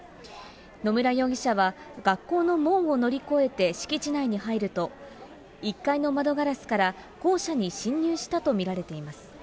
野村容疑者は、学校の門を乗り越えて敷地内に入ると、１階の窓ガラスから校舎に侵入したと見られています。